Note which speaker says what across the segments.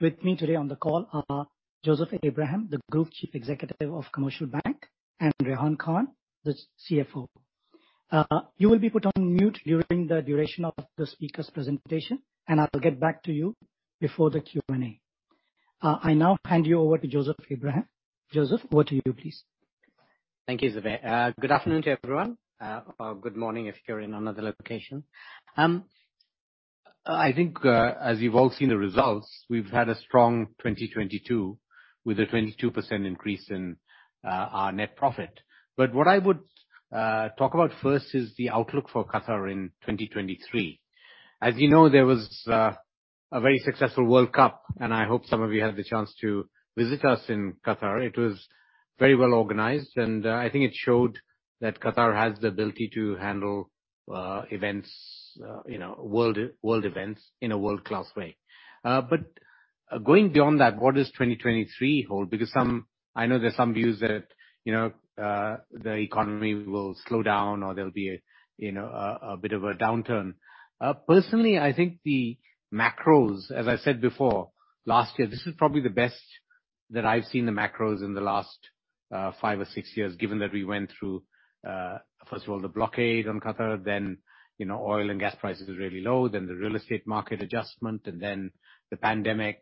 Speaker 1: With me today on the call are Joseph Abraham, the Group Chief Executive of The Commercial Bank, and Rehan Khan, the CFO. You will be put on mute during the duration of the speakers' presentation, I will get back to you before the Q&A. I now hand you over to Joseph Abraham. Joseph, over to you, please.
Speaker 2: Thank you, Zubair. Good afternoon, everyone, or good morning if you're in another location. I think, as you've all seen the results, we've had a strong 2022, with a 22% increase in our net profit. What I would talk about first is the outlook for Qatar in 2023. As you know, there was a very successful World Cup, and I hope some of you had the chance to visit us in Qatar. It was very well-organized, and I think it showed that Qatar has the ability to handle events, you know, world events in a world-class way. Going beyond that, what does 2023 hold? I know there's some views that, you know, the economy will slow down or there'll be a bit of a downturn. Personally, I think the macros, as I said before, last year, this is probably the best that I've seen the macros in the last five or six years, given that we went through, first of all, the blockade on Qatar, then, you know, oil and gas prices were really low, then the real estate market adjustment, and then the pandemic.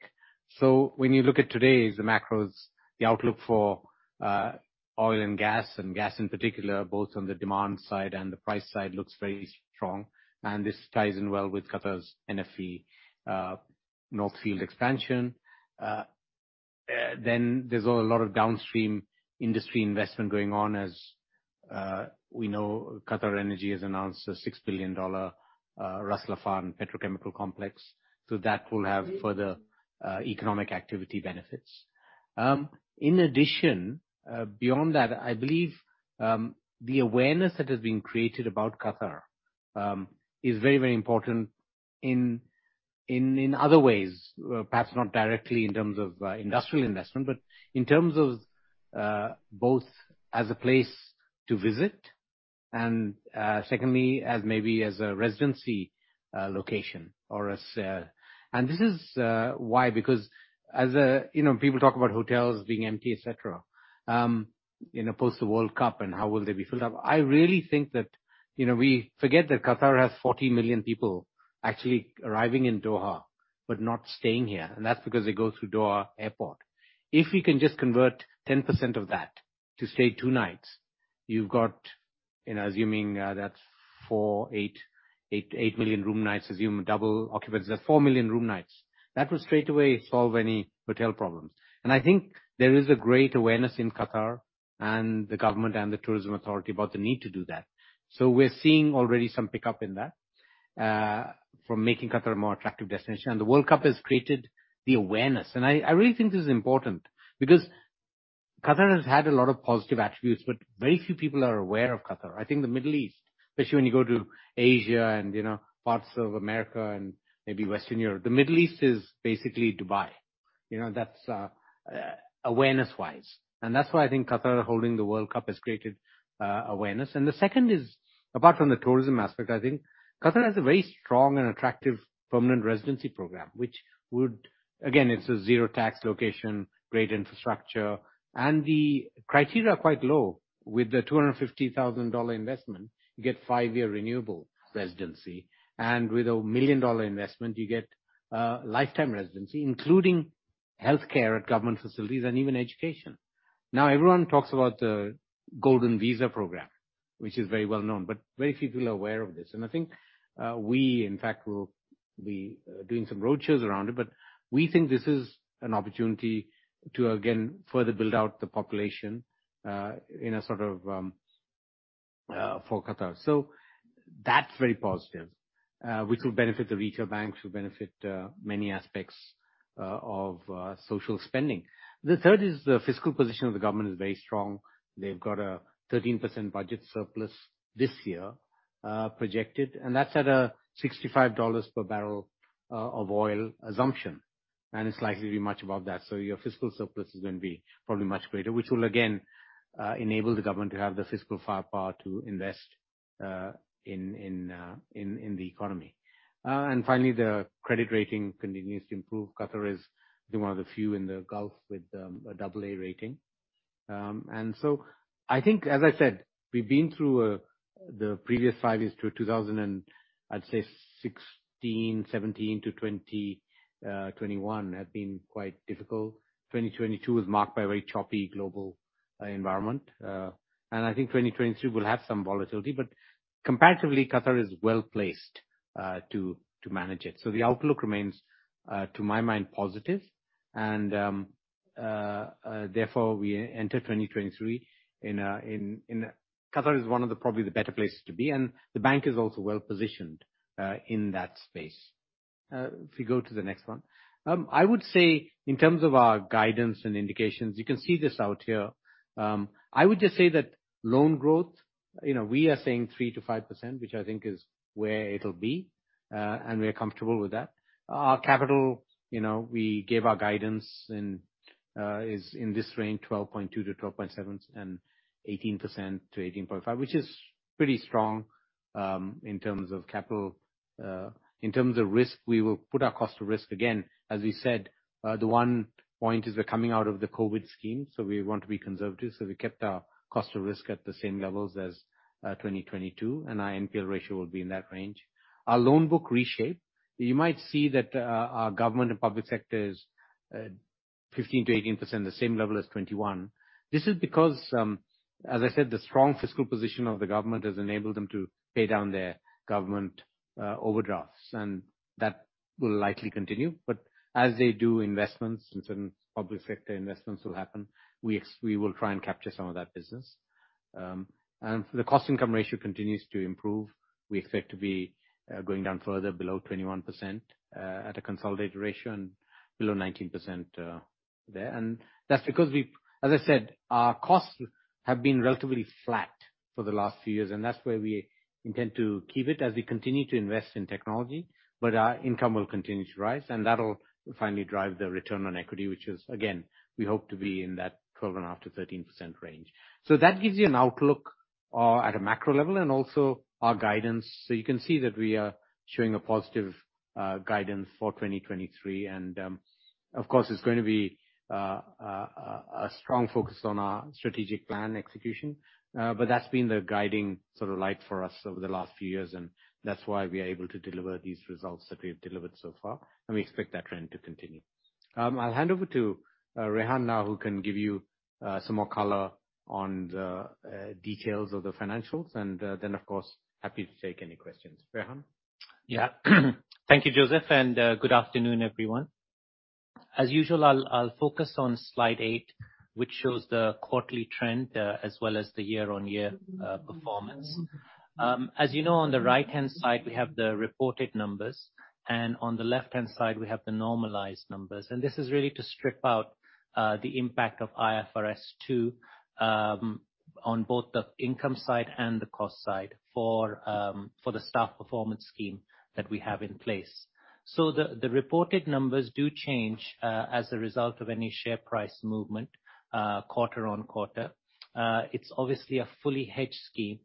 Speaker 2: When you look at today's macros, the outlook for oil and gas, and gas in particular, both on the demand side and the price side, looks very strong. This ties in well with Qatar's NFE, North Field Expansion. There's a lot of downstream industry investment going on. As we know, QatarEnergy has announced a $6 billion Ras Laffan petrochemical complex, so that will have further economic activity benefits. In addition, beyond that, I believe the awareness that has been created about Qatar is very, very important in other ways. Perhaps not directly in terms of industrial investment, but in terms of both as a place to visit and secondly, as maybe as a residency location or as. This is why? Because as, you know, people talk about hotels being empty, et cetera, you know, post the World Cup, and how will they be filled up? I really think that, you know, we forget that Qatar has 40 million people actually arriving in Doha, but not staying here, and that's because they go through Doha Airport. If we can just convert 10% of that to stay two nights, you've got, you know, assuming, that's 4, 8, 8 million room nights, assume double occupancy, that's 4 million room nights. That will straightaway solve any hotel problems. I think there is a great awareness in Qatar and the government and the tourism authority about the need to do that. We're seeing already some pickup in that from making Qatar a more attractive destination. The World Cup has created the awareness. I really think this is important because Qatar has had a lot of positive attributes, but very few people are aware of Qatar. I think the Middle East, especially when you go to Asia and, you know, parts of America and maybe Western Europe, the Middle East is basically Dubai. You know, that's awareness-wise. That's why I think Qatar holding the World Cup has created awareness. The second is, apart from the tourism aspect, I think Qatar has a very strong and attractive permanent residency program. Again, it's a zero tax location, great infrastructure, and the criteria are quite low. With a $250,000 investment, you get five-year renewable residency, and with a $1 million investment, you get lifetime residency, including healthcare at government facilities and even education. Everyone talks about the Golden Visa program, which is very well-known, but very few people are aware of this. I think we, in fact, will be doing some roadshows around it, but we think this is an opportunity to, again, further build out the population in a sort of for Qatar. That's very positive, which will benefit the retail banks, will benefit many aspects of social spending. The third is the fiscal position of the government is very strong. They've got a 13% budget surplus this year, projected, and that's at a $65 per barrel of oil assumption, and it's likely to be much above that. Your fiscal surplus is gonna be probably much greater, which will again enable the government to have the fiscal firepower to invest in the economy. Finally, the credit rating continues to improve. Qatar is one of the few in the Gulf with an AA rating. I think, as I said, we've been through the previous five years to 2016, 2017-2021 have been quite difficult. 2022 was marked by a very choppy global environment. I think 2023 will have some volatility, but comparatively, Qatar is well-placed to manage it. The outlook remains to my mind, positive. Therefore, we enter 2023 in Qatar is one of the probably the better places to be, and the bank is also well-positioned in that space. If you go to the next one. I would say, in terms of our guidance and indications, you can see this out here. I would just say that loan growth, you know, we are saying 3%-5%, which I think is where it'll be, and we are comfortable with that. Our capital, you know, we gave our guidance and is in this range, 12.2%-12.7% and 18%-18.5%, which is pretty strong. In terms of capital, in terms of risk, we will put our cost of risk again. As we said, the one point is we're coming out of the COVID scheme, so we want to be conservative. We kept our cost of risk at the same levels as 2022, and our NPL ratio will be in that range. Our loan book reshape. You might see that our government and public sector is 15%-18%, the same level as 21%. This is because, as I said, the strong fiscal position of the government has enabled them to pay down their government overdrafts, that will likely continue. As they do investments and certain public sector investments will happen, we will try and capture some of that business. The cost-income ratio continues to improve. We expect to be going down further below 21% at a consolidated ratio and below 19% there. That's because we've... As I said, our costs have been relatively flat for the last few years. That's where we intend to keep it as we continue to invest in technology. Our income will continue to rise. That'll finally drive the return on equity, which is again, we hope to be in that 12.5%-13% range. That gives you an outlook at a macro level and also our guidance. You can see that we are showing a positive guidance for 2023. Of course, it's going to be a strong focus on our strategic plan execution. That's been the guiding sort of light for us over the last few years. That's why we're able to deliver these results that we've delivered so far. We expect that trend to continue. Rehan now, who can give you some more color on the details of the financials. Then, of course, happy to take any questions. Rehan?
Speaker 3: Thank you, Joseph, good afternoon, everyone. As usual, I'll focus on slide eight, which shows the quarterly trend as well as the year-on-year performance. As you know, on the right-hand side, we have the reported numbers, on the left-hand side, we have the normalized numbers. This is really to strip out the impact of IFRS 2 on both the income side and the cost side for the staff performance scheme that we have in place. The reported numbers do change as a result of any share price movement quarter-on-quarter. It's obviously a fully hedged scheme,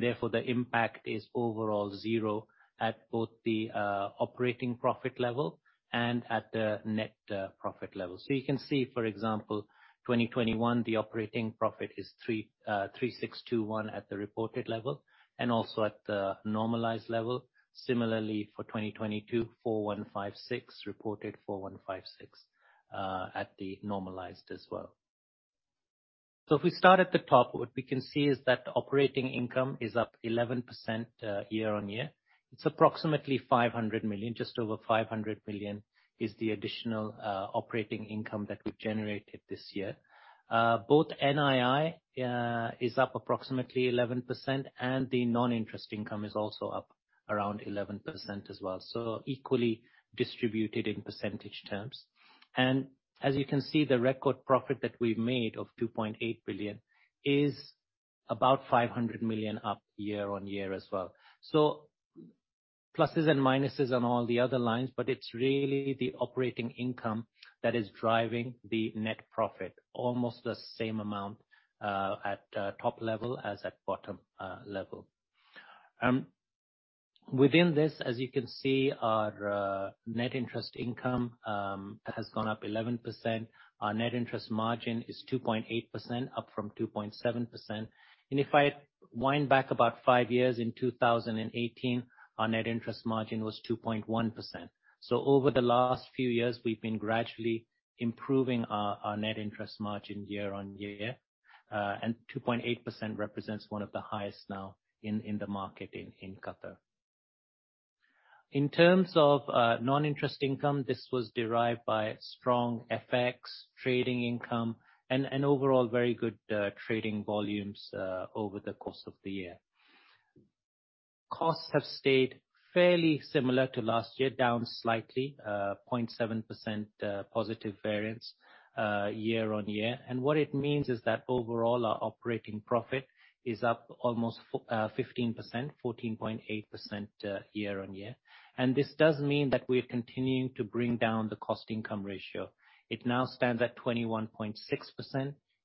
Speaker 3: therefore, the impact is overall zero at both the operating profit level and at the net profit level. You can see, for example, 2021, the operating profit is 3,621 at the reported level and also at the normalized level. Similarly for 2022, reported 4,156 at the normalized as well. If we start at the top, what we can see is that operating income is up 11% year-on-year. It's approximately 500 million. Just over 500 million is the additional operating income that we've generated this year. Both NII is up approximately 11%, and the non-interest income is also up around 11% as well. Equally distributed in percentage terms. As you can see, the record profit that we've made of 2.8 billion is about 500 million up year-on-year as well. Pluses and minuses on all the other lines, but it's really the operating income that is driving the net profit, almost the same amount at the top level as at bottom level. Within this, as you can see, our net interest income has gone up 11%. Our net interest margin is 2.8%, up from 2.7%. If I wind back about five years, in 2018, our net interest margin was 2.1%. Over the last few years, we've been gradually improving our net interest margin year-over-year. 2.8% represents one of the highest now in the market in Qatar. In terms of non-interest income, this was derived by strong FX trading income and overall very good trading volumes over the course of the year. Costs have stayed fairly similar to last year, down slightly, 0.7% positive variance year-on-year. What it means is that overall, our operating profit is up almost 15%, 14.8% year-on-year. This does mean that we're continuing to bring down the cost-income ratio. It now stands at 21.6%.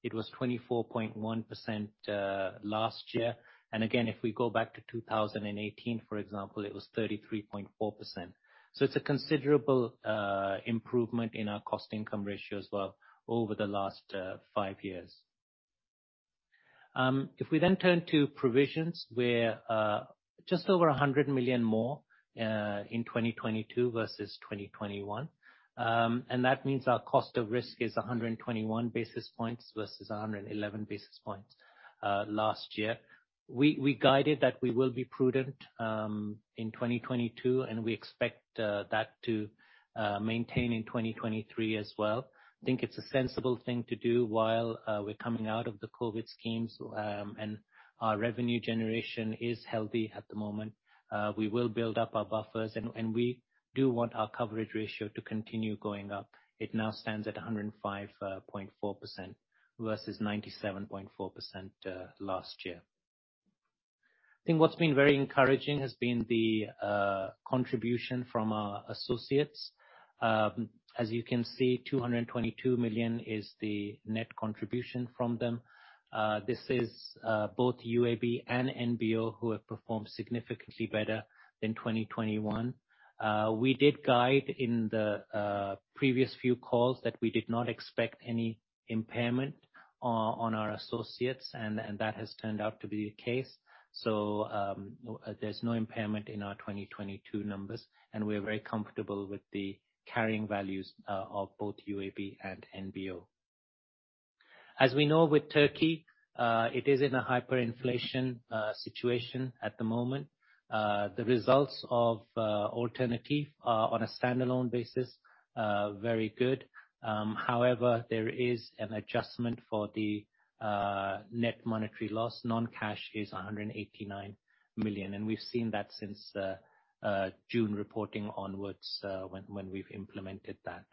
Speaker 3: It was 24.1% last year. Again, if we go back to 2018, for example, it was 33.4%. It's a considerable improvement in our cost-income ratio as well over the last five years. If we turn to provisions where just over 100 million more in 2022 versus 2021. That means our cost of risk is 121 basis points versus 111 basis points last year. We guided that we will be prudent in 2022, we expect that to maintain in 2023 as well. Think it's a sensible thing to do while we're coming out of the COVID schemes, our revenue generation is healthy at the moment. We will build up our buffers, and we do want our coverage ratio to continue going up. It now stands at 105.4% versus 97.4% last year. I think what's been very encouraging has been the contribution from our associates. As you can see, 222 million is the net contribution from them. This is both UAB and NBO who have performed significantly better than 2021. We did guide in the previous few calls that we did not expect any impairment on our associates and that has turned out to be the case. There's no impairment in our 2022 numbers, and we're very comfortable with the carrying values of both UAB and NBO. As we know with Turkey, it is in a hyperinflation situation at the moment. The results of Alternatif Bank are on a standalone basis, very good. However, there is an adjustment for the net monetary loss. Non-cash is 189 million, and we've seen that since June reporting onwards, when we've implemented that.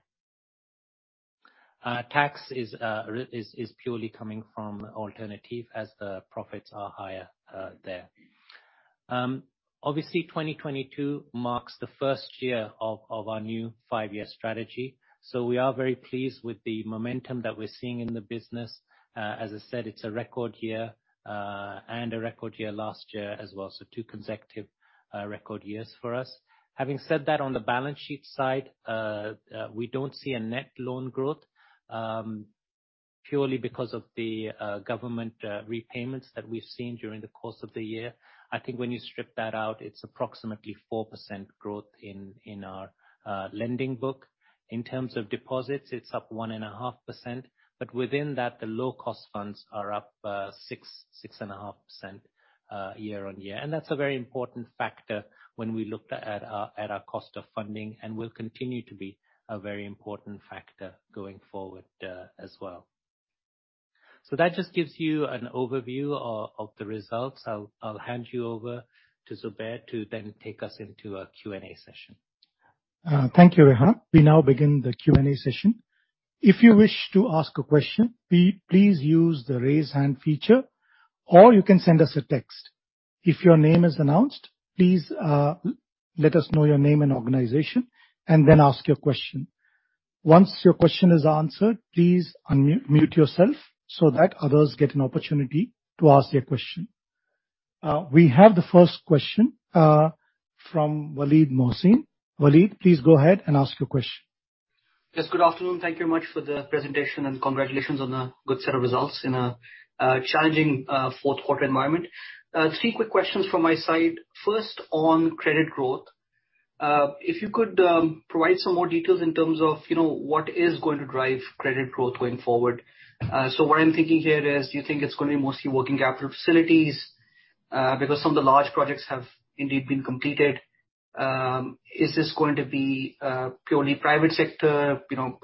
Speaker 3: Tax is purely coming from Alternatif as the profits are higher there. Obviously 2022 marks the first year of our new five-year strategy, so we are very pleased with the momentum that we're seeing in the business. As I said, it's a record year, and a record year last year as well, so two consecutive record years for us. Having said that, on the balance sheet side, we don't see a net loan growth, purely because of the government repayments that we've seen during the course of the year. I think when you strip that out, it's approximately 4% growth in our lending book. In terms of deposits, it's up 1.5%, but within that, the low-cost funds are up 6.5% year-on-year. That's a very important factor when we looked at our cost of funding and will continue to be a very important factor going forward as well. That just gives you an overview of the results. I'll hand you over to Zubair to then take us into our Q&A session.
Speaker 1: Thank you, Rehan. We now begin the Q&A session. If you wish to ask a question, please use the raise hand feature, or you can send us a text. If your name is announced, please let us know your name and organization, and then ask your question. Once your question is answered, please unmute yourself so that others get an opportunity to ask their question. We have the first question from Waleed Mohsin. Waleed, please go ahead and ask your question.
Speaker 4: Yes. Good afternoon. Thank you very much for the presentation. Congratulations on a good set of results in a challenging Q4 environment. Three quick questions from my side. First, on credit growth, if you could provide some more details in terms of, you know, what is going to drive credit growth going forward. What I'm thinking here is, do you think it's gonna be mostly working capital facilities? Some of the large projects have indeed been completed. Is this going to be purely private sector, you know,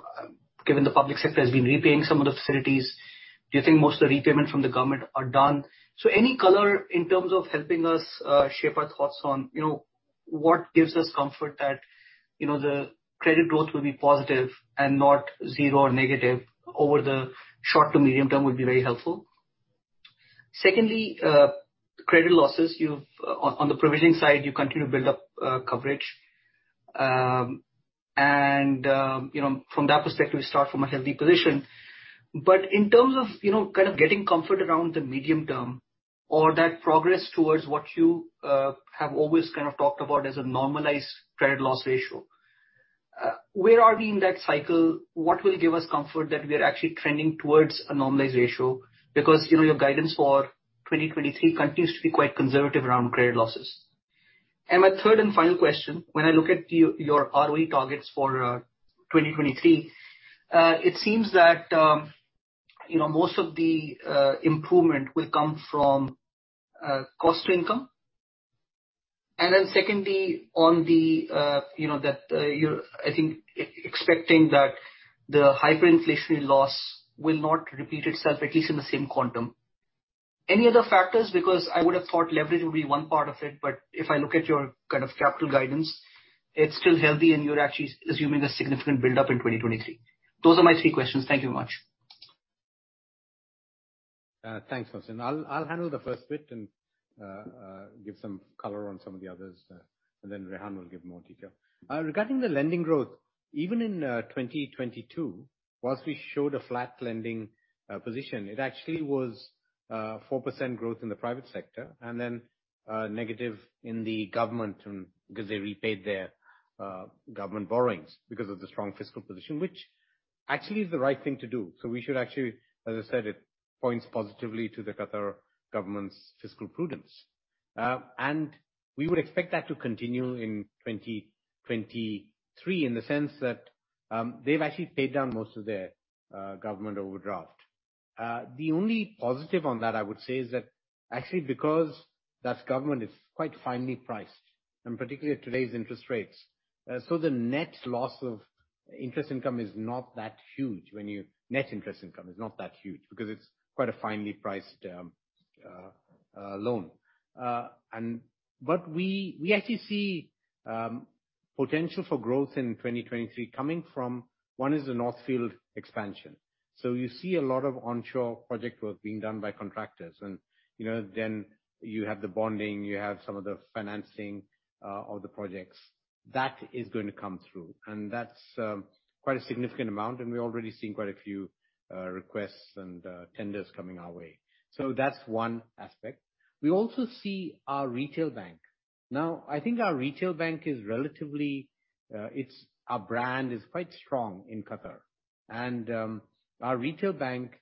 Speaker 4: given the public sector has been repaying some of the facilities? Do you think most of the repayments from the government are done? Any color in terms of helping us shape our thoughts on, you know, what gives us comfort that, you know, the credit growth will be positive and not zero or negative over the short to medium term would be very helpful. Secondly, credit losses. On the provisioning side, you continue to build up coverage. You know, from that perspective, you start from a healthy position. In terms of, you know, kind of getting comfort around the medium term or that progress towards what you have always kind of talked about as a normalized credit loss ratio, where are we in that cycle? What will give us comfort that we are actually trending towards a normalized ratio? You know, your guidance for 2023 continues to be quite conservative around credit losses. My third and final question, when I look at your ROE targets for 2023, it seems that, you know, most of the improvement will come from cost to income. Secondly, on the, you know, that you're I think expecting that the hyperinflationary loss will not repeat itself, at least in the same quantum. Any other factors? I would have thought leverage would be one part of it, but if I look at your kind of capital guidance, it's still healthy, and you're actually assuming a significant buildup in 2023. Those are my three questions. Thank you very much.
Speaker 2: Thanks, Mohsin. I'll handle the first bit and give some color on some of the others, and then Rehan will give more detail. Regarding the lending growth, even in 2022, whilst we showed a flat lending position, it actually was 4% growth in the private sector and then negative in the government and because they repaid their government borrowings because of the strong fiscal position, which actually is the right thing to do. We should actually, as I said, it points positively to the Qatar government's fiscal prudence. We would expect that to continue in 2023 in the sense that they've actually paid down most of their government overdraft. The only positive on that, I would say, is that actually because that's government, it's quite finely priced, and particularly at today's interest rates. The net loss of interest income is not that huge when you. Net interest income is not that huge because it's quite a finely priced loan. We actually see potential for growth in 2023 coming from, one is the North Field Expansion. You see a lot of onshore project work being done by contractors and, you know, then you have the bonding, you have some of the financing of the projects. That is going to come through, and that's quite a significant amount, we're already seeing quite a few requests and tenders coming our way. That's one aspect. We also see our retail bank. Now, I think our retail bank is relatively. Our brand is quite strong in Qatar. Our retail bank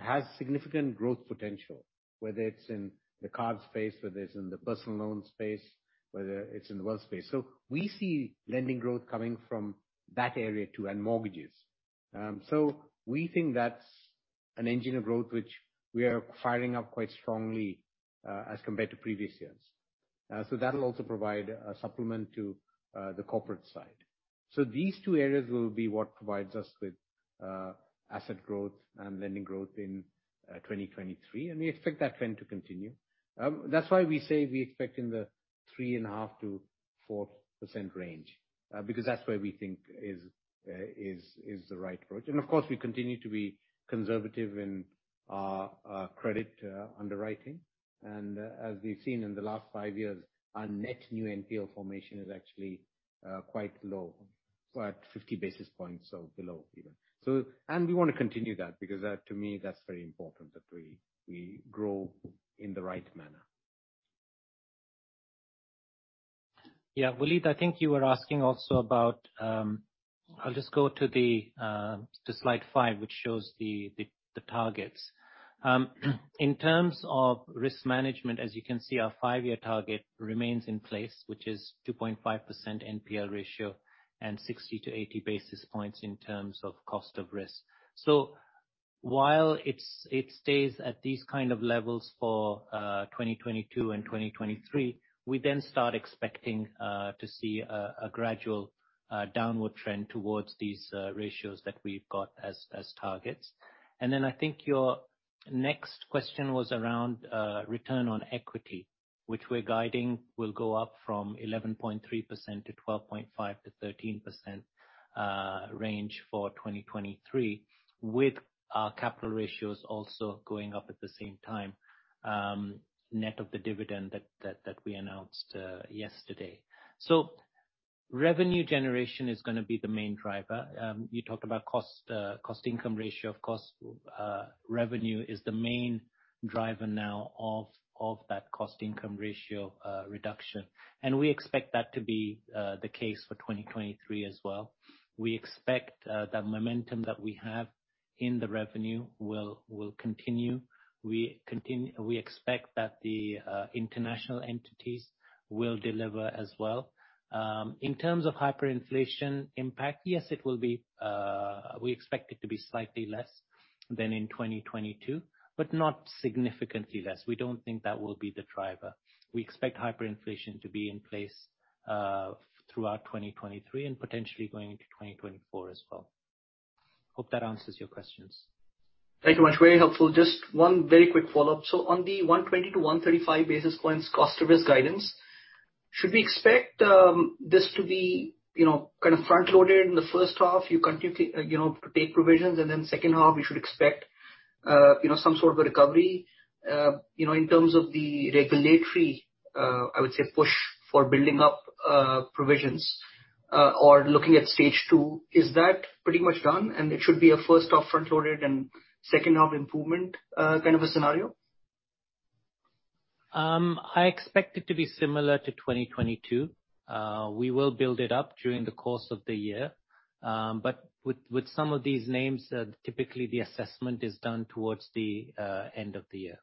Speaker 2: has significant growth potential, whether it's in the card space, whether it's in the personal loan space, whether it's in the wealth space. We see lending growth coming from that area too, and mortgages. We think that's an engine of growth which we are firing up quite strongly as compared to previous years. That'll also provide a supplement to the corporate side. These two areas will be what provides us with asset growth and lending growth in 2023, and we expect that trend to continue. That's why we say we expect in the 3.5%-4% range, because that's where we think is the right approach. Of course, we continue to be conservative in our credit underwriting. As we've seen in the last five years, our net new NPL formation is actually quite low, at 50 basis points or below even. We wanna continue that because that, to me, that's very important that we grow in the right manner.
Speaker 3: Waleed, I think you were asking also about, I'll just go to the slide five, which shows the targets. In terms of risk management, as you can see, our five-year target remains in place, which is 2.5% NPL ratio and 60-80 basis points in terms of cost of risk. While it stays at these kind of levels for 2022 and 2023, we then start expecting to see a gradual downward trend towards these ratios that we've got as targets. I think your next question was around, return on equity, which we're guiding will go up from 11.3% to 12.5%-13%, range for 2023, with our capital ratios also going up at the same time, net of the dividend that we announced, yesterday. Revenue generation is gonna be the main driver. You talked about cost-income ratio. Of course, revenue is the main driver now of that cost-income ratio, reduction. We expect that to be, the case for 2023 as well. We expect, the momentum that we have in the revenue will continue. We expect that the, international entities will deliver as well. In terms of hyperinflation impact, yes, it will be, we expect it to be slightly less than in 2022, but not significantly less. We don't think that will be the driver. We expect hyperinflation to be in place throughout 2023 and potentially going into 2024 as well. Hope that answers your questions.
Speaker 4: Thank you much. Very helpful. Just one very quick follow-up. On the 120-135 basis points cost of risk guidance, should we expect, this to be, you know, kind of front-loaded in the first half? You continue, you know, take provisions, and then second half, we should expect, you know, some sort of a recovery, you know, in terms of the regulatory, I would say push for building up, provisions? Or looking at Stage 2, is that pretty much done and it should be a first half front-loaded and second half improvement, kind of a scenario?
Speaker 3: I expect it to be similar to 2022. We will build it up during the course of the year. With some of these names, typically the assessment is done towards the end of the year.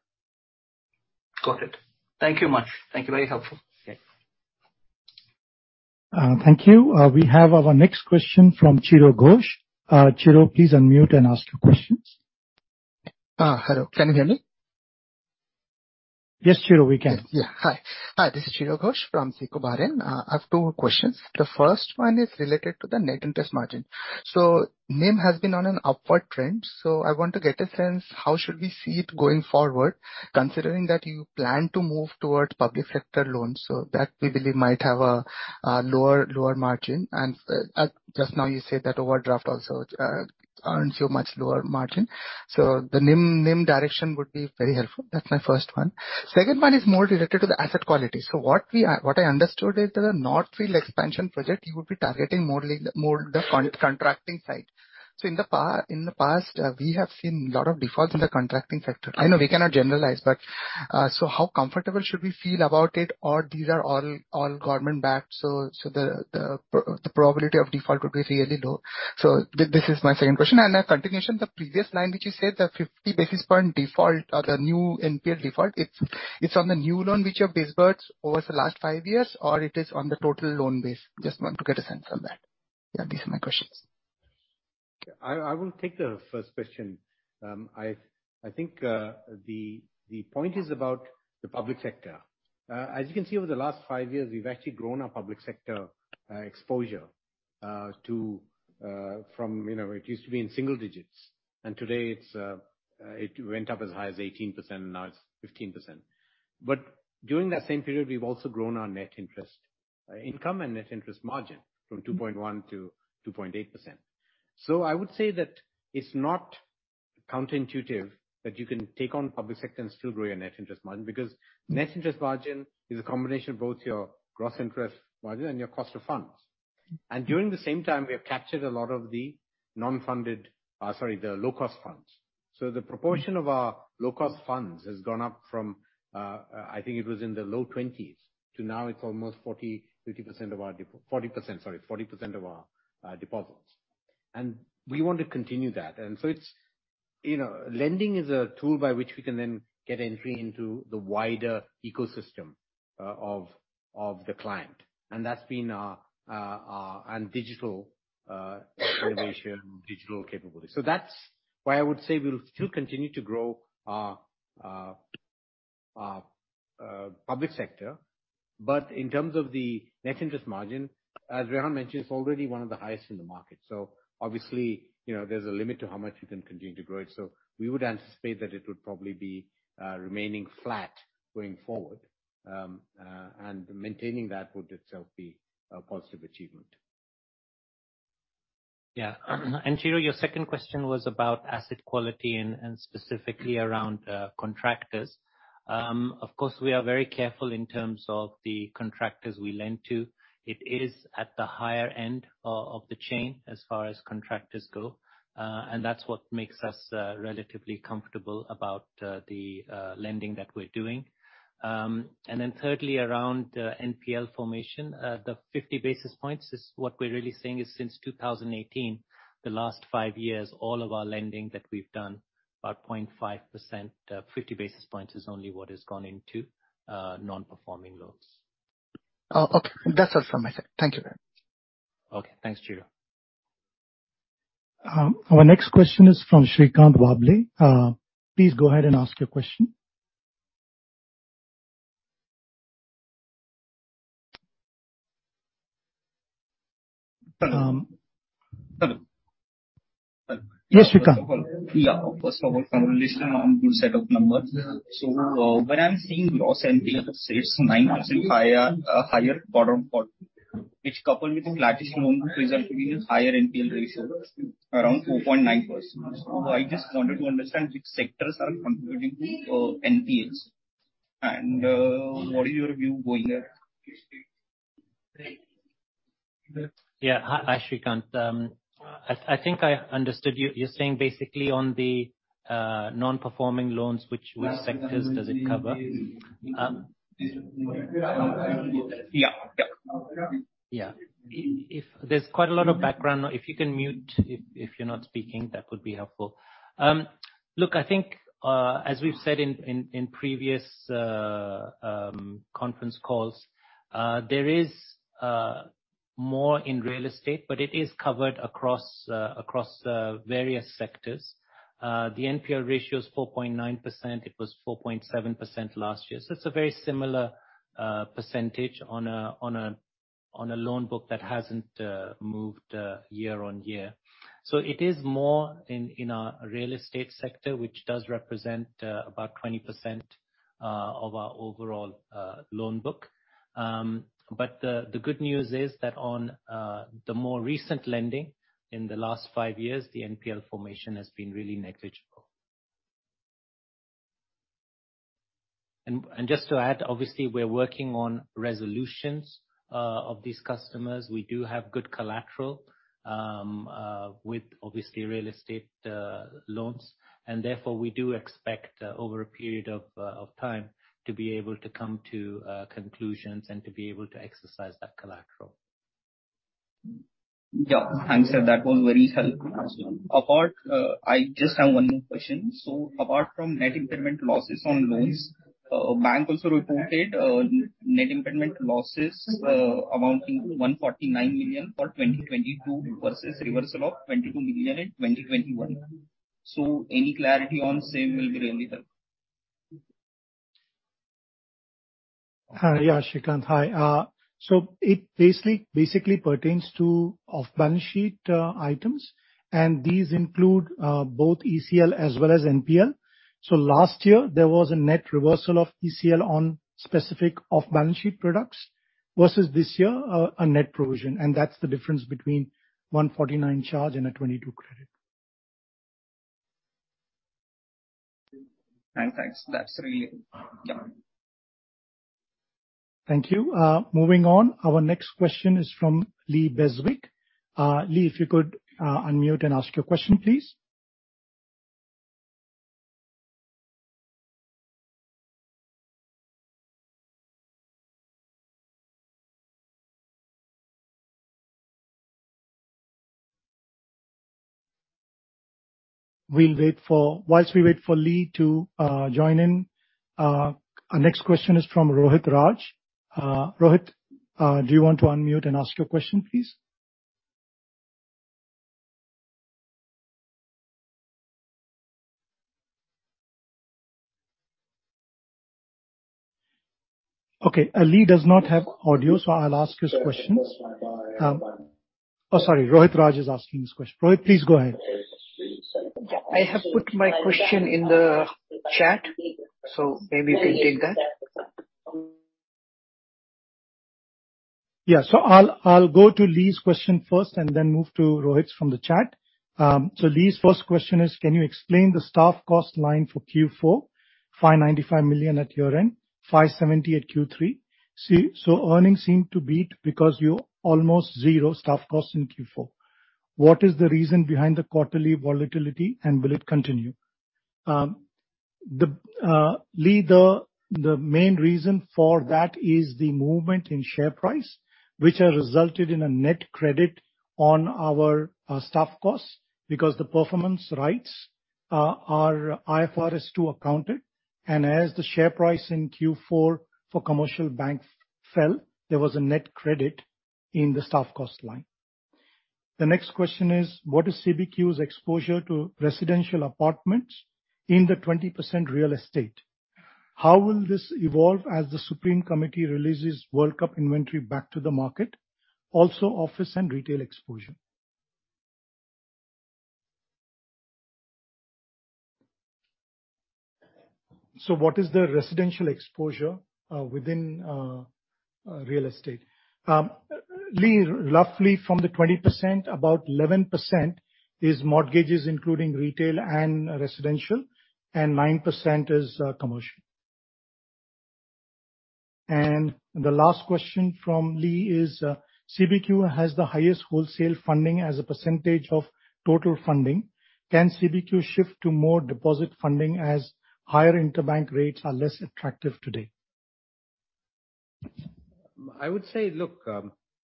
Speaker 4: Got it. Thank you much. Thank you. Very helpful.
Speaker 3: Okay.
Speaker 1: Thank you. We have our next question from Chiradeep Ghosh. Chiro, please unmute and ask your questions.
Speaker 5: Hello. Can you hear me?
Speaker 2: Yes, Chira, we can.
Speaker 5: Yeah. Hi. Hi, this is Chiradeep Ghosh from SICO Bahrain. I have two questions. The first one is related to the net interest margin. NIM has been on an upward trend, so I want to get a sense how should we see it going forward, considering that you plan to move towards public sector loans. That we believe might have a lower margin. Just now you said that overdraft also earns you much lower margin. The NIM direction would be very helpful. That's my first one. Second one is more related to the asset quality. What I understood is that the North Field Expansion project, you would be targeting more, like, more the contracting side. In the past, we have seen a lot of defaults in the contracting sector. I know we cannot generalize, but so how comfortable should we feel about it, or these are all government-backed, so the probability of default would be really low. This is my second question. A continuation, the previous line which you said, the 50 basis point default or the new NPL default, it's on the new loan which you have disbursed over the last five years, or it is on the total loan base? Just want to get a sense on that. Yeah, these are my questions.
Speaker 2: I will take the first question. I think the point is about the public sector. As you can see, over the last five years, we've actually grown our public sector exposure to from, you know, it used to be in single digits, and today it's, it went up as high as 18%, now it's 15%. During that same period, we've also grown our net interest income and net interest margin from 2.1%-2.8%. I would say that it's not counterintuitive that you can take on public sector and still grow your net interest margin. Because net interest margin is a combination of both your gross interest margin and your cost of funds. During the same time, we have captured a lot of the non-funded... sorry, the low-cost funds. The proportion of our low 20s to now it's almost 40%, 50% of our 40%, sorry. 40% of our deposits. We want to continue that. It's, you know, lending is a tool by which we can then get entry into the wider ecosystem of the client. That's been our digital elevation, digital capability. That's why I would say we will still continue to grow our public sector. In terms of the net interest margin, as Rehan mentioned, it's already one of the highest in the market, so obviously, you know, there's a limit to how much you can continue to grow it. We would anticipate that it would probably be remaining flat going forward. Maintaining that would itself be a positive achievement.
Speaker 3: Yeah. Jiro, your second question was about asset quality and specifically around contractors. Of course, we are very careful in terms of the contractors we lend to. It is at the higher end of the chain as far as contractors go. That's what makes us relatively comfortable about the lending that we're doing. Thirdly, around NPL formation. The 50 basis points is what we're really seeing is since 2018, the last five years, all of our lending that we've done, about 0.5%, 50 basis points is only what has gone into non-performing loans.
Speaker 5: Oh, okay. That's all from my side. Thank you very much.
Speaker 3: Okay, thanks, Chira.
Speaker 1: Our next question is from Shrikant Deshpande. Please go ahead and ask your question.
Speaker 6: Hello. Hello.
Speaker 1: Yes, Shrikant.
Speaker 6: Yeah. First of all, congratulations on good set of numbers. When I'm seeing gross NPLs, it's 9% higher quarter-on-quarter, which coupled with the flatish loan book result in a higher NPL ratio around 4.9%. I just wanted to understand which sectors are contributing to NPLs and what is your view going ahead?
Speaker 3: Yeah. Hi, Shrikant. I think I understood you. You're saying basically on the non-performing loans, which sectors does it cover?
Speaker 6: Yeah. Yeah.
Speaker 3: Yeah. There's quite a lot of background noise. If you can mute if you're not speaking, that would be helpful. Look, I think as we've said in previous conference calls, there is more in real estate, but it is covered across various sectors. The NPL ratio is 4.9%. It was 4.7% last year. It's a very similar percentage on a loan book that hasn't moved year-on-year. It is more in our real estate sector, which does represent about 20% of our overall loan book. The good news is that on the more recent lending in the last five years, the NPL formation has been really negligible. Just to add, obviously we're working on resolutions of these customers. We do have good collateral with obviously real estate loans, and therefore we do expect over a period of time to be able to come to conclusions and to be able to exercise that collateral.
Speaker 6: Yeah. Thanks, sir. That was very helpful. Apart, I just have one more question. Apart from net impairment losses on loans, bank also reported net impairment losses amounting 149 million for 2022 versus reversal of 22 million in 2021. Any clarity on same will be really helpful.
Speaker 2: Hi. Yeah, Shrikant. It basically pertains to off-balance sheet items. These include both ECL as well as NPL. Last year there was a net reversal of ECL on specific off-balance sheet products versus this year a net provision. That's the difference between 149 charge and a 22 credit.
Speaker 6: Many thanks.
Speaker 1: Thank you. Moving on. Our next question is from Lee Beswick. Lee, if you could unmute and ask your question, please. We'll wait for. Whilst we wait for Lee to join in, our next question is from Rohit Raj. Rohit, do you want to unmute and ask your question, please? Okay. Lee does not have audio, so I'll ask his questions. Oh, sorry. Rohit Raj is asking his question. Rohit, please go ahead.
Speaker 7: I have put my question in the chat, so maybe we'll take that.
Speaker 1: Yeah. I'll go to Lee's question first, and then move to Rohit's from the chat. Lee's first question is: Can you explain the staff cost line for Q4, 595 million at year-end, 570 at Q3. Earnings seem to beat because you're almost 0 staff cost in Q4. What is the reason behind the quarterly volatility, and will it continue?
Speaker 2: Lee, the main reason for that is the movement in share price, which has resulted in a net credit on our staff costs because the performance rights are IFRS 2 accounted. As the share price in Q4 for Commercial Bank fell, there was a net credit in the staff cost line.
Speaker 1: The next question is: What is CBQ's exposure to residential apartments in the 20% real estate? How will this evolve as the Supreme Committee releases World Cup inventory back to the market? Office and retail exposure. What is the residential exposure within real estate? Lee, roughly from the 20%, about 11% is mortgages, including retail and residential, and 9% is commercial. The last question from Lee is: CBQ has the highest wholesale funding as a % of total funding. Can CBQ shift to more deposit funding as higher interbank rates are less attractive today?
Speaker 2: I would say, look,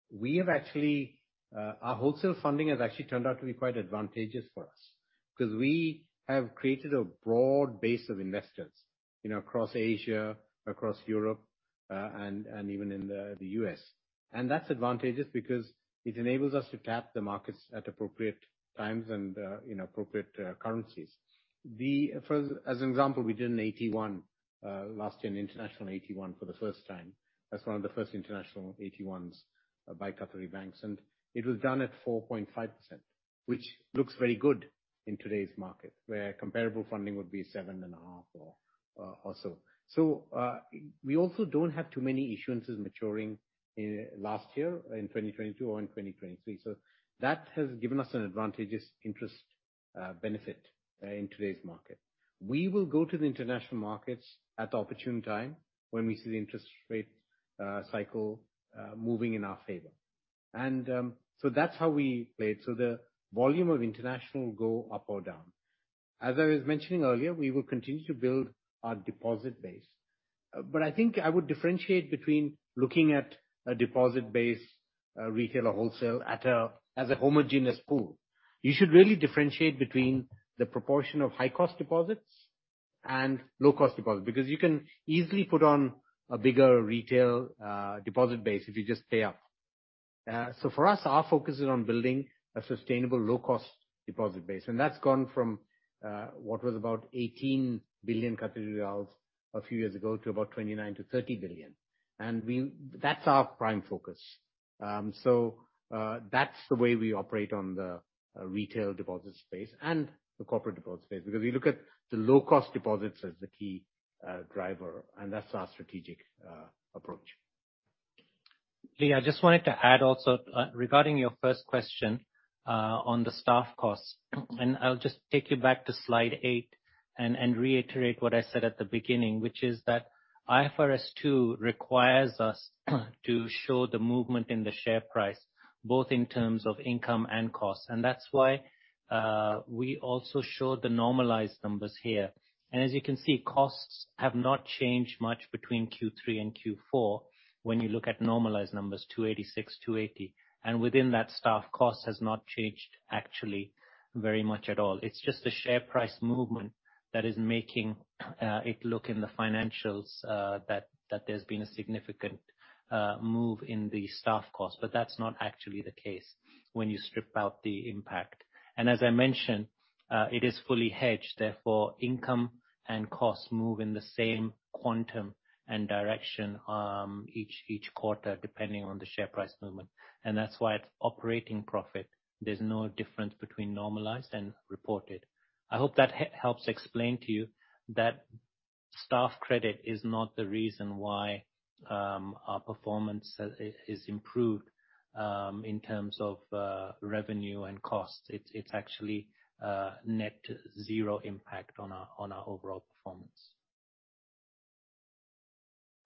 Speaker 2: we have actually, our wholesale funding has actually turned out to be quite advantageous for us 'cause we have created a broad base of investors, you know, across Asia, across Europe, and even in the US. That's advantageous because it enables us to tap the markets at appropriate times and in appropriate currencies. As an example, we did an AT1 last year, an international AT1 for the first time. That's one of the first international AT1s by Qatari banks, and it was done at 4.5%, which looks very good in today's market, where comparable funding would be 7.5% or so. We also don't have too many issuances maturing in last year, in 2022 or in 2023, so that has given us an advantageous interest benefit in today's market. We will go to the international markets at the opportune time when we see the interest rate cycle moving in our favor. That's how we play it, so the volume of international will go up or down. As I was mentioning earlier, we will continue to build our deposit base. I think I would differentiate between looking at a deposit base, retail or wholesale at a, as a homogeneous pool. You should really differentiate between the proportion of high cost deposits and low cost deposits, because you can easily put on a bigger retail deposit base if you just pay up. For us, our focus is on building a sustainable low-cost deposit base, and that's gone from what was about 18 billion riyals a few years ago to about 29 billion-30 billion. That's our prime focus. That's the way we operate on the retail deposit space and the corporate deposit space, because we look at the low-cost deposits as the key driver, and that's our strategic approach.
Speaker 3: Lee, I just wanted to add also regarding your first question on the staff costs. I'll just take you back to slide eight and reiterate what I said at the beginning, which is that IFRS 2 requires us to show the movement in the share price, both in terms of income and costs. That's why we also show the normalized numbers here. As you can see, costs have not changed much between Q3 and Q4 when you look at normalized numbers, 286, 280. Within that staff cost has not changed actually very much at all. It's just the share price movement that is making it look in the financials that there's been a significant move in the staff cost. That's not actually the case when you strip out the impact. As I mentioned, it is fully hedged, therefore, income and costs move in the same quantum and direction, each quarter, depending on the share price movement. That's why it's operating profit. There's no difference between normalized and reported. I hope that helps explain to you that staff credit is not the reason why our performance has improved in terms of revenue and costs. It's actually net zero impact on our overall performance.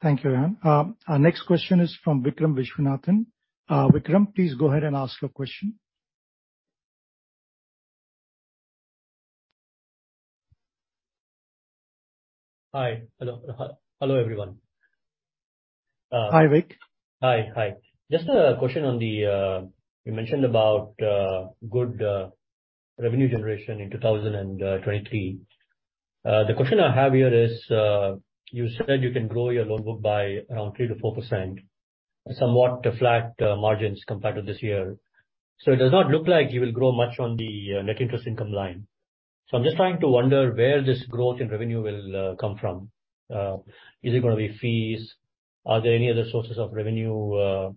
Speaker 1: Thank you, Rehan. Our next question is from Vikram Viswanathan. Vikram, please go ahead and ask your question.
Speaker 8: Hi. Hello. Hello, everyone.
Speaker 1: Hi, Vik.
Speaker 8: Hi. Just a question on the, you mentioned about good revenue generation in 2023. The question I have here is, you said you can grow your loan book by around 3%-4%, somewhat flat margins compared to this year. It does not look like you will grow much on the net interest income line. I'm just trying to wonder where this growth in revenue will come from. Is it gonna be fees? Are there any other sources of revenue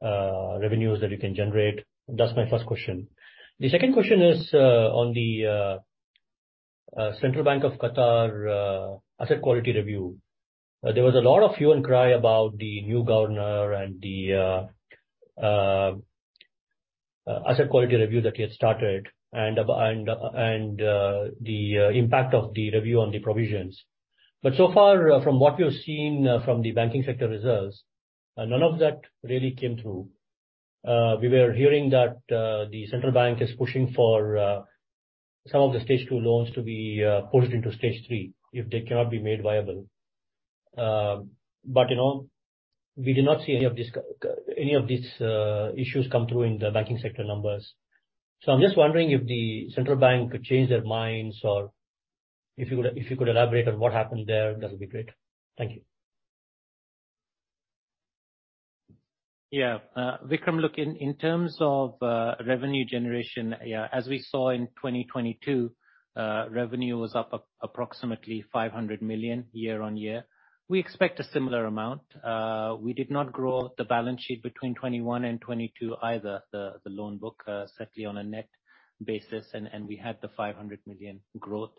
Speaker 8: that you can generate? That's my first question. The second question is on the Central Bank of Qatar asset quality review. There was a lot of hue and cry about the new governor and the asset quality review that he had started and the impact of the review on the provisions. So far, from what we've seen, from the banking sector reserves, none of that really came through. We were hearing that the central bank is pushing for some of the Stage 2 loans to be pushed into Stage 3 if they cannot be made viable. You know, we did not see any of this, any of these issues come through in the banking sector numbers. I'm just wondering if the central bank could change their minds or if you could elaborate on what happened there, that'll be great. Thank you.
Speaker 3: Yeah. Vikram, look, in terms of revenue generation, as we saw in 2022, revenue was up approximately 500 million year-on-year. We expect a similar amount. We did not grow the balance sheet between 2021 and 2022 either, the loan book, certainly on a net basis. We had the 500 million growth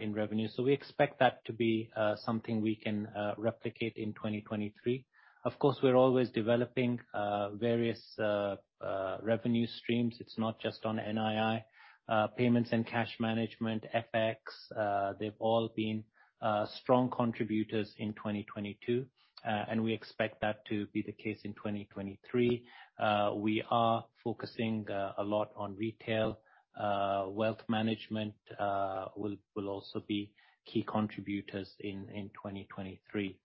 Speaker 3: in revenue. We expect that to be something we can replicate in 2023. Of course, we're always developing various revenue streams. It's not just on NII. Payments and cash management, FX, they've all been strong contributors in 2022. We expect that to be the case in 2023. We are focusing a lot on retail. wealth management, will also be key contributors in 2023.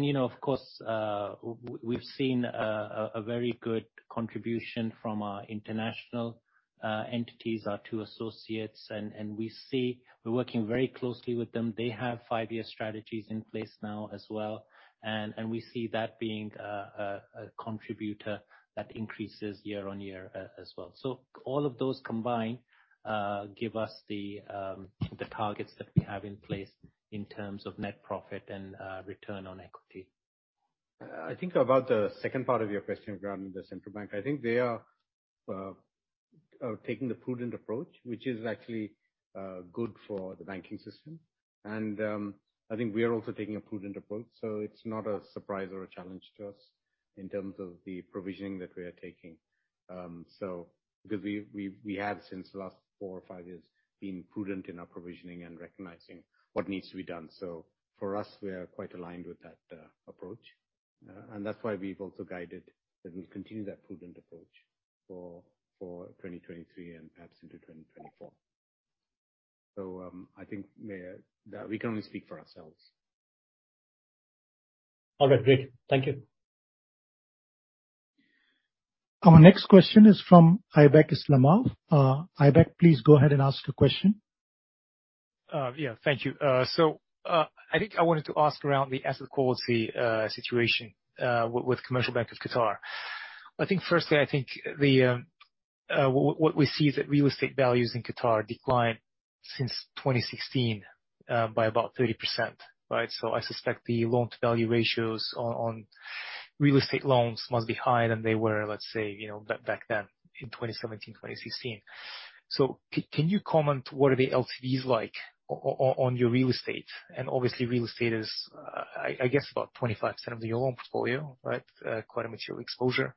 Speaker 3: You know, of course, we've seen a very good contribution from our international entities, our two associates. We see... We're working very closely with them. They have five-year strategies in place now as well. We see that being a contributor that increases year-on-year as well. All of those combined, give us the targets that we have in place in terms of net profit and return on equity.
Speaker 2: I think about the second part of your question regarding the central bank. I think they are taking the prudent approach, which is actually good for the banking system. I think we are also taking a prudent approach, so it's not a surprise or a challenge to us in terms of the provisioning that we are taking. Because we have since the last four or five years been prudent in our provisioning and recognizing what needs to be done. For us, we are quite aligned with that approach. That's why we've also guided that we'll continue that prudent approach for 2023 and perhaps into 2024. That we can only speak for ourselves.
Speaker 8: All right, great. Thank you.
Speaker 1: Our next question is from Aybek Islamov. Aibek, please go ahead and ask your question.
Speaker 9: Yeah. Thank you. I think I wanted to ask around the asset quality situation with Commercial Bank of Qatar. I think firstly, I think what we see is that real estate values in Qatar declined since 2016 by about 30%, right? I suspect the loan to value ratios on real estate loans must be higher than they were, let's say, you know, back then in 2017, 2016. Can you comment what are the LTVs like on your real estate? Obviously, real estate is, I guess about 25% of your loan portfolio, right? Quite a material exposure.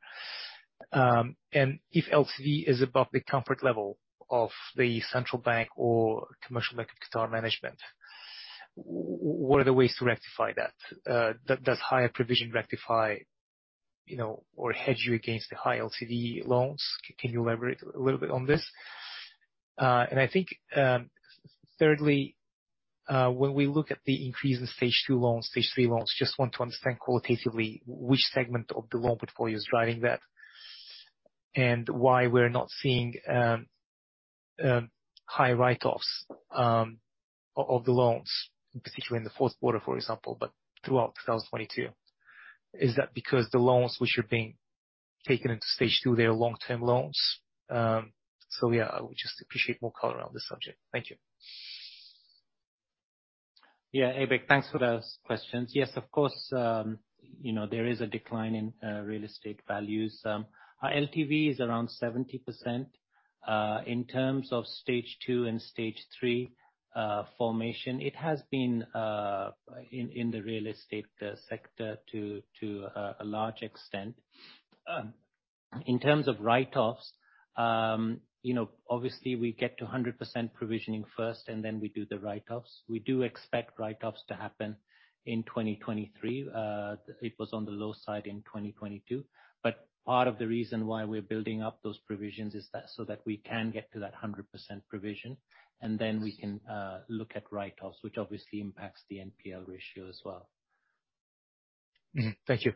Speaker 9: If LTV is above the comfort level of the central bank or Commercial Bank of Qatar management, what are the ways to rectify that? Does higher provision rectify, you know, or hedge you against the high LTV loans? Can you elaborate a little bit on this? Thirdly, when we look at the increase in Stage 2 loans, Stage 3 loans, just want to understand qualitatively which segment of the loan portfolio is driving that, and why we're not seeing high write-offs of the loans, particularly in the Q4, for example, but throughout 2022. Is that because the loans which are being taken into Stage 2, they are long-term loans? I would just appreciate more color on this subject. Thank you.
Speaker 3: Yeah. Aibek, thanks for those questions. Yes, of course, you know, there is a decline in real estate values. Our LTV is around 70%. In terms of Stage 2 and Stage 3 formation, it has been in the real estate sector to a large extent. In terms of write-offs, you know, obviously we get to a 100% provisioning first, and then we do the write-offs. We do expect write-offs to happen in 2023. It was on the low side in 2022. Part of the reason why we're building up those provisions is that so that we can get to that 100% provision, and then we can look at write-offs, which obviously impacts the NPL ratio as well.
Speaker 9: Mm-hmm. Thank you.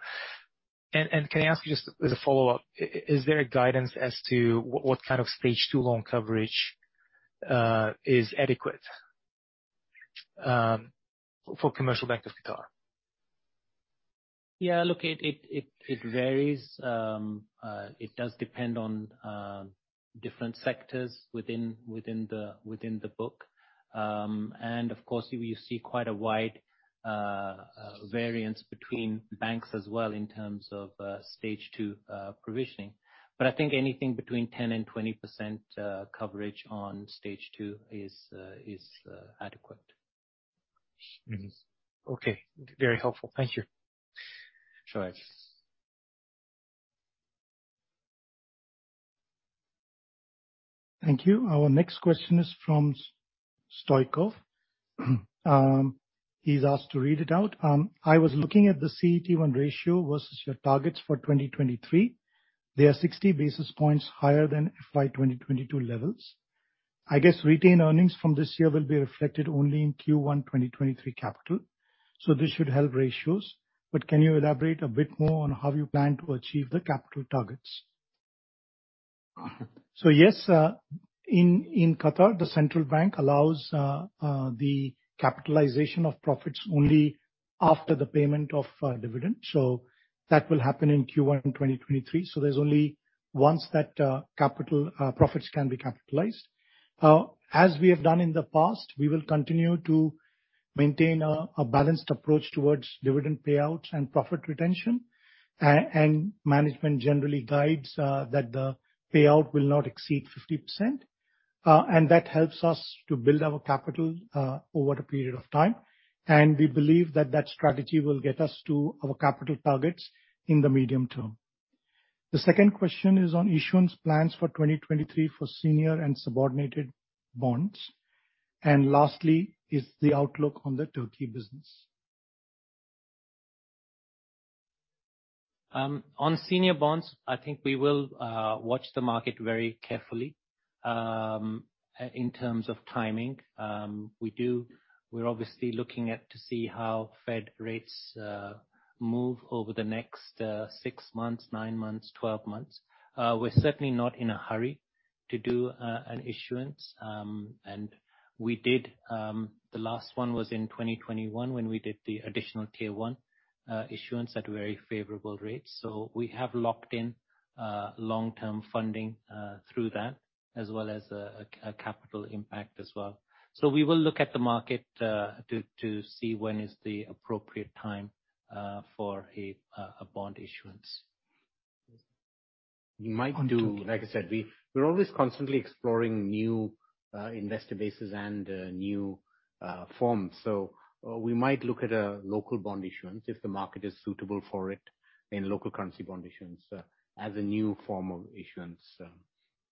Speaker 9: Can I ask you just as a follow-up, is there a guidance as to what kind of Stage 2 loan coverage is adequate for Commercial Bank of Qatar?
Speaker 3: Yeah. Look, it varies. It does depend on different sectors within the book. Of course, you will see quite a wide variance between banks as well in terms of Stage 2 provisioning. I think anything between 10% and 20% coverage on Stage 2 is adequate.
Speaker 9: Mm-hmm. Okay. Very helpful. Thank you.
Speaker 3: Sure.
Speaker 1: Thank you. Our next question is from Stoykov. He's asked to read it out. I was looking at the CET1 ratio versus your targets for 2023. They are 60 basis points higher than FY 2022 levels. I guess retained earnings from this year will be reflected only in Q1 2023 capital, so this should help ratios. Can you elaborate a bit more on how you plan to achieve the capital targets?
Speaker 3: Yes, in Qatar, the Qatar Central Bank allows the capitalization of profits only after the payment of dividends. That will happen in Q1 2023, so there's only once that capital profits can be capitalized. As we have done in the past, we will continue to maintain a balanced approach towards dividend payouts and profit retention. And management generally guides that the payout will not exceed 50%, and that helps us to build our capital over a period of time. We believe that that strategy will get us to our capital targets in the medium term. The second question is on issuance plans for 2023 for senior and subordinated bonds. Lastly is the outlook on the Turkey business. On senior bonds, I think we will watch the market very carefully in terms of timing. We're obviously looking at to see how Fed rates move over the next six months, nine months, 12 months. We're certainly not in a hurry to do an issuance, and we did the last one was in 2021 when we did the Additional Tier 1 issuance at very favorable rates. We have locked in long-term funding through that, as well as a capital impact as well. We will look at the market to see when is the appropriate time for a bond issuance. On Turkey.
Speaker 2: Like I said, we're always constantly exploring new investor bases and new forms. We might look at a local bond issuance if the market is suitable for it, and local currency bond issuance as a new form of issuance.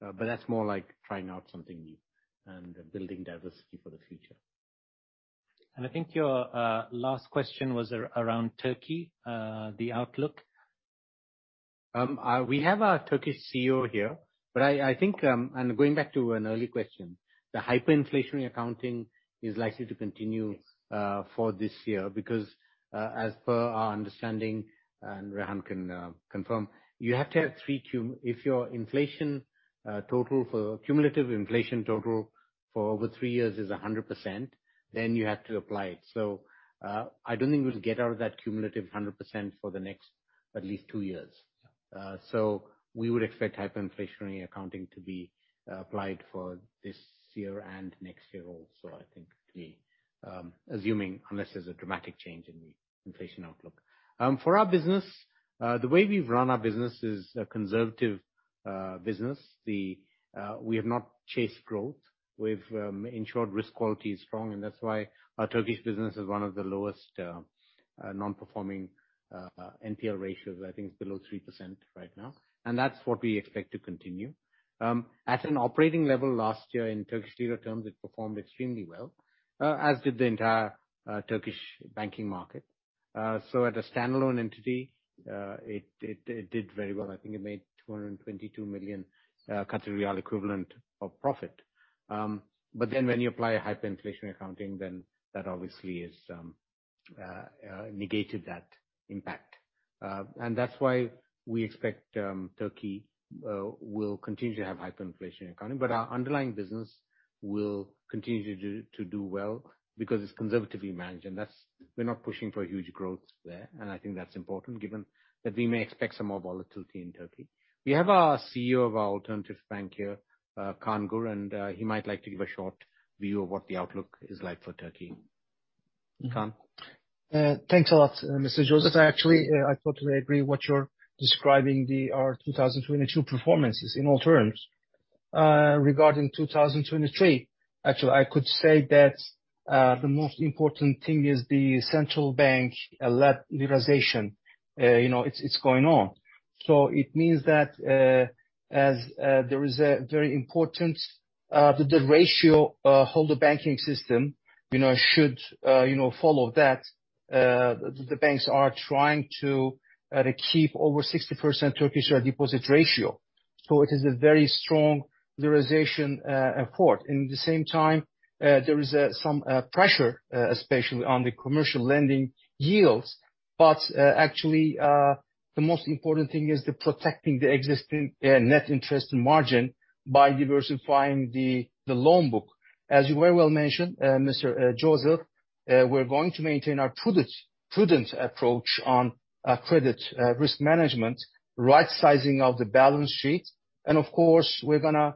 Speaker 2: That's more like trying out something new and building diversity for the future. I think your last question was around Turkey, the outlook. We have our Turkish CEO here, but I think, and going back to an early question, the hyperinflationary accounting is likely to continue for this year because as per our understanding, and Rehan Khan can confirm, you have to have if your inflation total for cumulative inflation total for over three years is 100%, then you have to apply it. I don't think we'll get out of that cumulative 100% for the next at least two years. We would expect hyperinflationary accounting to be applied for this year and next year also, I think, assuming unless there's a dramatic change in the inflation outlook. For our business, the way we've run our business is a conservative business. We have not chased growth. We've ensured risk quality is strong, and that's why our Turkish business is one of the lowest non-performing NPL ratios. I think it's below 3% right now. That's what we expect to continue. At an operating level last year in TRY terms, it performed extremely well, as did the entire Turkish banking market. At a standalone entity, it did very well. I think it made 222 million equivalent of profit. When you apply a hyperinflationary accounting, then that obviously is negated that impact. That's why we expect Turkey will continue to have hyperinflation accounting. Our underlying business will continue to do well because it's conservatively managed, and that's. We're not pushing for huge growth there, and I think that's important given that we may expect some more volatility in Turkey. We have our CEO of our Alternatif Bank here, Kaan Gür, and he might like to give a short view of what the outlook is like for Turkey. Kaan?
Speaker 10: Thanks a lot, Mr. Joseph. Actually, I totally agree what you're describing our 2022 performances in all terms. Regarding 2023, actually I could say that the most important thing is the central bank liberalization. You know, it's going on. It means that as there is a very important ratio, whole the banking system, you know, should, you know, follow that. The banks are trying to keep over 60% TRY deposit ratio. It is a very strong localization effort. In the same time, there is some pressure, especially on the commercial lending yields. Actually, the most important thing is the protecting the existing net interest margin by diversifying the loan book. As you very well mentioned, Mr. Joseph, we're going to maintain our prudent approach on credit risk management, right-sizing of the balance sheet, and of course, we're going to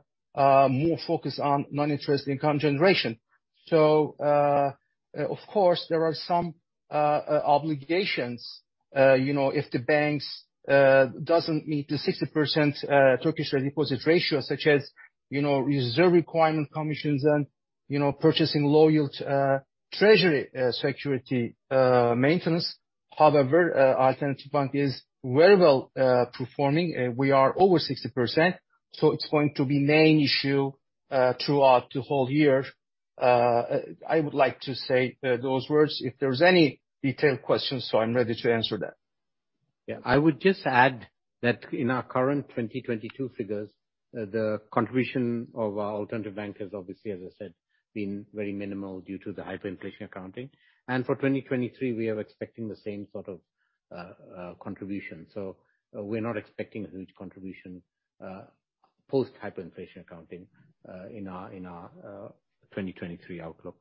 Speaker 10: more focus on non-interest income generation. Of course, there are some obligations, you know, if the banks doesn't meet the 60% Turkish deposit ratio, such as, you know, reserve requirement commissions and, you know, purchasing low-yield treasury security maintenance. However, Alternatif Bank is very well performing. We are over 60%, so it's going to be main issue throughout the whole year. I would like to say those words, if there's any detailed questions, I'm ready to answer that.
Speaker 3: Yeah. I would just add that in our current 2022 figures, the contribution of our Alternatif Bank has obviously, as I said, been very minimal due to the hyperinflation accounting. For 2023, we are expecting the same sort of contribution. We're not expecting a huge contribution post hyperinflation accounting in our 2023 outlook.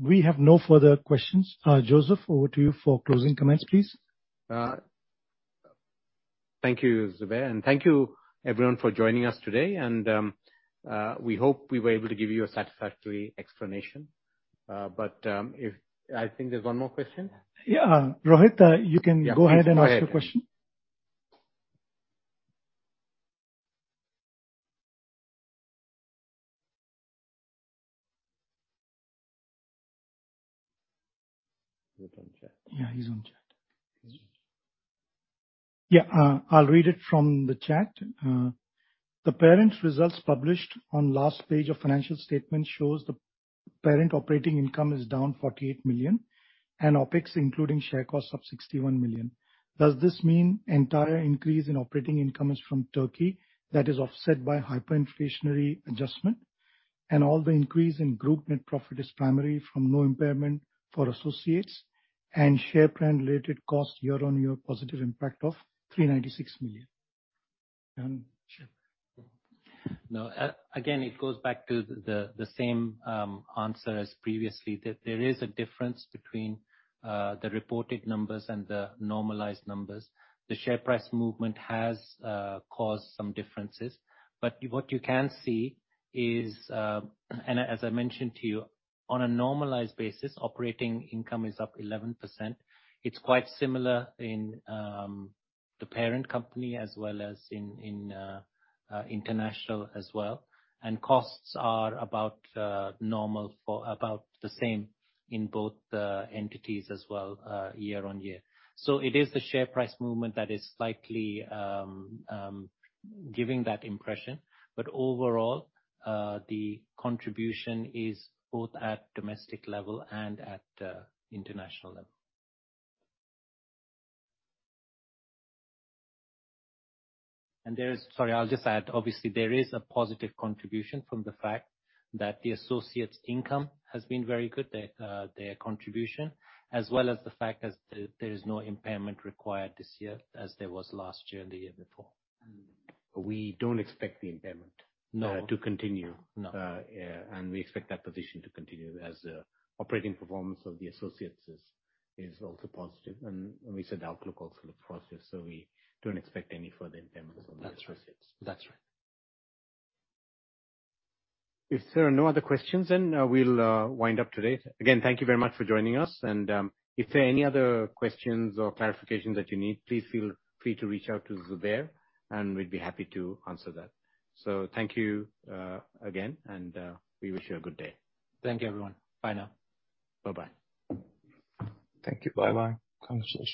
Speaker 1: We have no further questions. Joseph, over to you for closing comments, please.
Speaker 2: Thank you, Zubair, and thank you everyone for joining us today. We hope we were able to give you a satisfactory explanation. I think there's one more question.
Speaker 1: Yeah. Rohit, you can go ahead and ask your question.
Speaker 3: He's on chat.
Speaker 1: Yeah, he's on chat. Yeah, I'll read it from the chat. The parent results published on last page of financial statement shows the parent operating income is down 48 million and OpEx including share costs of 61 million. Does this mean entire increase in operating income is from Turkey that is offset by hyperinflationary adjustment, and all the increase in group net profit is primarily from no impairment for associates and share plan related costs year-over-year positive impact of QAR 396 million?
Speaker 3: No. Again, it goes back to the same answer as previously. That there is a difference between the reported numbers and the normalized numbers. The share price movement has caused some differences. What you can see is, and as I mentioned to you, on a normalized basis, operating income is up 11%. It's quite similar in the parent company as well as in international as well. Costs are about normal for about the same in both the entities as well, year-on-year. It is the share price movement that is slightly giving that impression. Overall, the contribution is both at domestic level and at international level. There is. Sorry, I'll just add, obviously, there is a positive contribution from the fact that the associates' income has been very good, their contribution, as well as the fact that there is no impairment required this year as there was last year and the year before.
Speaker 10: We don't expect the impairment.
Speaker 3: No.
Speaker 10: to continue.
Speaker 3: No.
Speaker 10: Yeah, we expect that position to continue as operating performance of the associates is also positive. We said outlook also looks positive. We don't expect any further impairments on the associates.
Speaker 3: That's right. That's right. If there are no other questions, then we'll wind up today. Again, thank you very much for joining us. If there are any other questions or clarifications that you need, please feel free to reach out to Zubair, and we'd be happy to answer that. Thank you again, and we wish you a good day.
Speaker 10: Thank you, everyone. Bye now.
Speaker 3: Bye-bye.
Speaker 10: Thank you. Bye-bye.
Speaker 1: Conversation end.